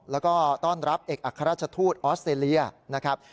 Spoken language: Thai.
แล้วก็ต้อนรับเอกอัครราชทูตออสเตรเลียนะครับ